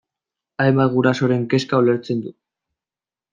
Hainbat gurasoren kezka ulertzen du.